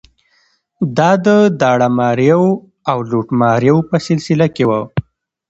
دا د داړه ماریو او لوټماریو په سلسله کې وه.